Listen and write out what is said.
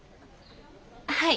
はい。